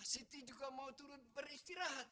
siti juga mau turun beristirahat